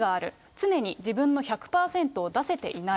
常に自分の１００％を出せていない。